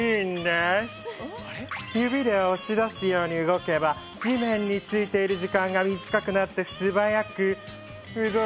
指で押し出すように動けば地面についている時間が短くなってすばやく動けますよ！